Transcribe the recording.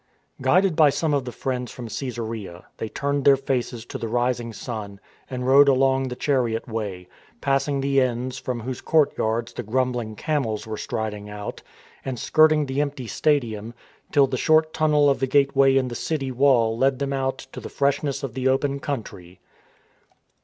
Guided by some of the friends from Caesarea, they turned their faces to the rising sun and rode along the chariot way, passing the inns from whose courtyards the grumbling camels were striding out, and skirting the empty stadium, till the short tunnel of the gate way in the city wall led them out to the freshness of the open country.